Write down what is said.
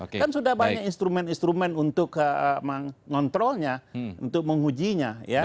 kan sudah banyak instrumen instrumen untuk mengontrolnya untuk mengujinya